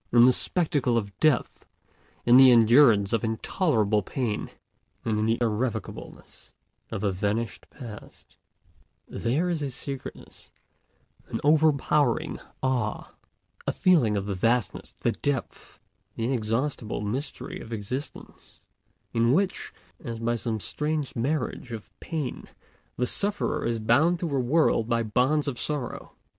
In the spectacle of Death, in the endurance of intolerable pain, and in the irrevocableness of a vanished past, there is a sacredness, an overpowering awe, a feeling of the vastness, the depth, the inexhaustible mystery of existence, in which, as by some strange marriage of pain, the sufferer is bound to the world by bonds of sorrow.